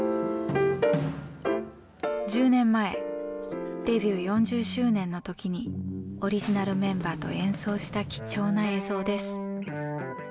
１０年前デビュー４０周年の時にオリジナルメンバーと演奏した貴重な映像です。